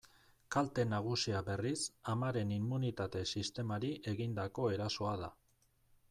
Kalte nagusia, berriz, amaren immunitate-sistemari egindako erasoa da.